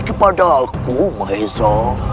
kepada aku maezo